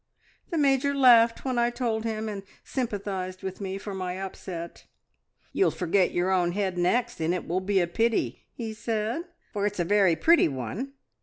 The Major laughed when I told him, and sympathised with me for my upset. `You'll forget your own head next, and it will be a pity,' he said, `for it's a very pretty one.'